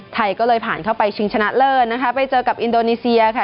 ไทยก็เลยผ่านเข้าไปชิงชนะเลิศนะคะไปเจอกับอินโดนีเซียค่ะ